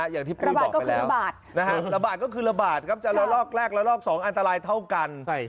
อย่างที่ปุ้ยบอกไปแล้วระบาดก็คือระบาดครับจะระลอก๑ระลอก๒อันตรายเท่ากัน